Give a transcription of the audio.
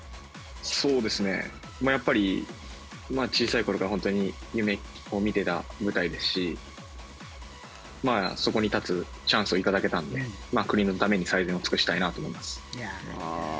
やっぱり小さい頃から本当に夢見ていた舞台ですしそこに立つチャンスを頂けたので国のために最善を尽くしたいと思います。